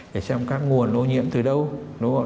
để xem các nguồn ô nhiễm từ đâu